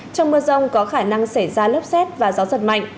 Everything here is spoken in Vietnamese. trong mưa rông có khả năng xảy ra lốc xét và gió giật mạnh